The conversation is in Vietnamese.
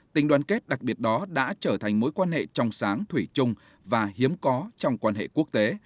tình đoàn kết đặc biệt đó đã trở thành mối quan hệ trong sáng thủy chung và hiếm có trong quan hệ quốc tế